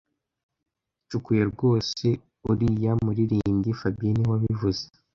Ncukuye rwose uriya muririmbyi fabien niwe wabivuze